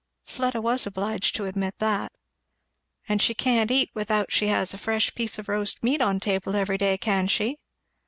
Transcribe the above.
Fleda was obliged to admit that. "And she can't eat without she has a fresh piece of roast meat on table every day, can she?"